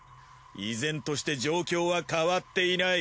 依然として状況は変わっていない。